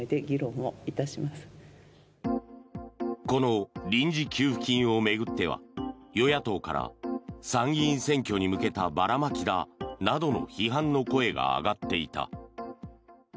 この臨時給付金を巡っては与野党から参議院選挙に向けたばらまきだなどの批判の声が上がっていた。